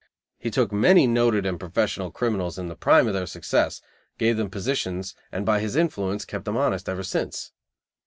He took many noted and professional criminals in the prime of their success, gave them positions and by his influence kept them honest ever since.